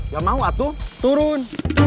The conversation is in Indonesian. gak mau atu turun